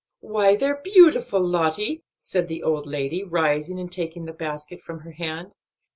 "Why, they're beautiful, Lottie!" said the old lady, rising and taking the basket from her hand.